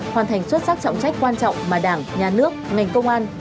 hoàn thành xuất sắc trọng trách quan trọng mà đảng nhà nước ngành công an và nhân dân giao phó